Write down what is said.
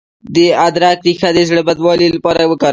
د ادرک ریښه د زړه بدوالي لپاره وکاروئ